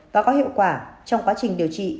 và có hiệu quả trong quá trình điều trị